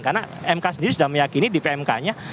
karena mk sendiri sudah meyakini di pmk nya